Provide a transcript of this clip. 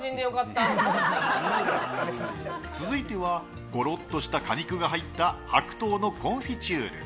続いてはゴロッとした果肉が入った白桃のコンフィチュール。